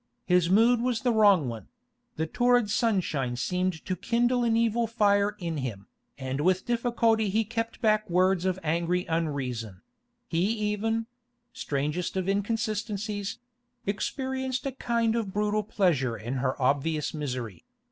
His mood was the wrong one; the torrid sunshine seemed to kindle an evil fire in him, and with difficulty he kept back words of angry unreason; he even—strangest of inconsistencies—experienced a kind of brutal pleasure in her obvious misery.